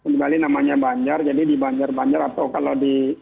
di bali namanya banjar jadi di banjar banjar atau kalau di